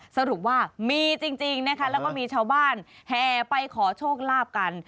สรุปว่ามีจริงนะคะแล้วก็มีชาวบ้านแห่ไปขอโชคลาภกัน